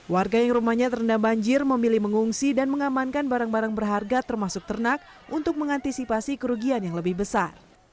warga yang rumahnya terendam banjir memilih mengungsi dan mengamankan barang barang berharga termasuk ternak untuk mengantisipasi kerugian yang lebih besar